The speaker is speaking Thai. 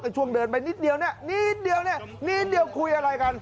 ช่วงเดินไปนิดเดียวเนี่ยนิดเดียวเนี่ยนิดเดียวคุยอะไรกัน